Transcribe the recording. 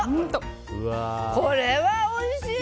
これはおいしい！